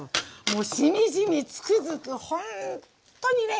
もうしみじみつくづくほんっとにね